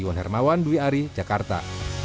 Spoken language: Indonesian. iwan hermawan dwi ari jakarta